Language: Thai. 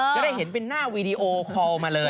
จะได้เห็นเป็นหน้าวีดีโอคอลมาเลย